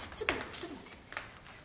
ちょっと待って。